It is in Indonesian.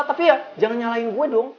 tapi ya jangan nyalahin gue dong